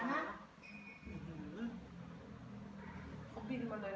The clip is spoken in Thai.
จะเห็นเหมือนสุดท้าย